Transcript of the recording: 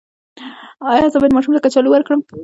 ایا زه باید ماشوم ته کچالو ورکړم؟